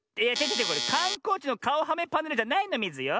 これかんこうちのかおはめパネルじゃないのミズよ。